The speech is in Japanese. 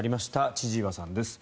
千々岩さんです。